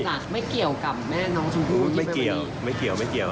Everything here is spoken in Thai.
หลักไม่เกี่ยวกับแม่น้องชมพู่ไม่เกี่ยวไม่เกี่ยวไม่เกี่ยว